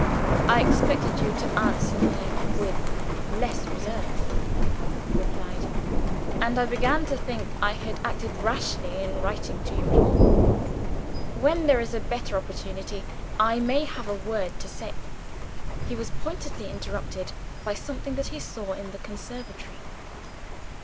"I expected you to answer me with less reserve," he replied; "and I began to think I had acted rashly in writing to you at all. When there is a better opportunity, I may have a word to say " He was apparently interrupted by something that he saw in the conservatory.